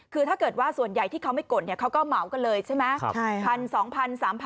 คือถ้าเกิดว่าส่วนใหญ่ที่เขาไม่กดเขาก็เหมากันเลยใช่ไหม